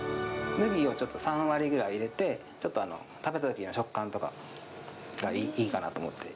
麦をちょっと３割くらい入れて、ちょっと食べたときの食感とかがいいかなと思って。